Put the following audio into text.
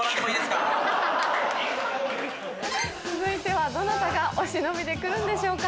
続いてはどなたがお忍びで来るんでしょうか。